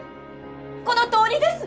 このとおりです！